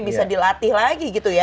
bisa dilatih lagi gitu ya